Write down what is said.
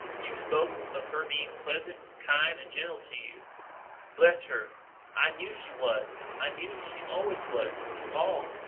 You've spoke of her being pleasant, kind, and gentle to you. Bless her, I knew she was! I knew she always was, to all.